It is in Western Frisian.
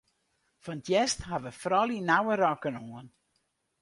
Fan 't hjerst hawwe froulju nauwe rokken oan.